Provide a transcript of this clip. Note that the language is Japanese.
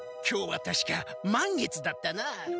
今日はたしか満月だったなあ。